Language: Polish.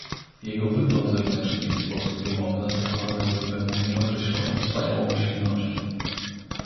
"Jego wygląd zewnętrzny i sposób wymowy nacechowane były pewną nieokreśloną wspaniałomyślnością."